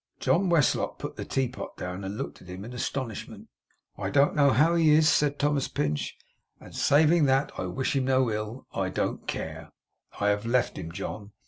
John Westlock put the teapot down, and looked at him, in astonishment. 'I don't know how he is,' said Thomas Pinch; 'and, saving that I wish him no ill, I don't care. I have left him, John.